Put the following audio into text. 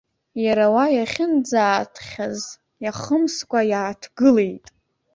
Иара уа иахьынӡаатхьаз иахымскәа, иааҭгылеит.